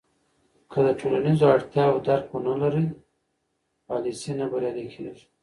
که د ټولنیزو اړتیاوو درک ونه لرې، پالیسۍ نه بریالۍ کېږي.